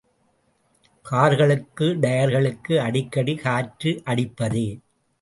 கார்களுக்கு டயர்களுக்கு அடிக்கடி காற்று அடிப்பதே.